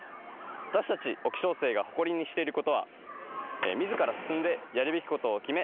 私たち沖尚生が誇りにしていることはみずから進んでやるべきことを決め